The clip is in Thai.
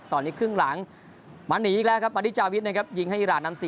ตอนนี้ขึ้นหลังมาหนีแล้วค่ะปฏิชาวิตนะครับยิงให้อิรารนำ๔๓